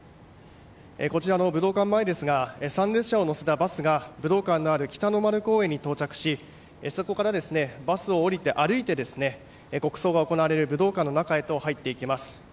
こちらの武道館前ですが参列者を乗せたバスが武道館のある北の丸公園に到着しそこからバスを降りて、歩いて国葬が行われる武道館の中へと入っていきます。